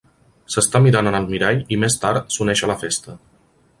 S'està mirant en el mirall i més tard s'uneix a la festa.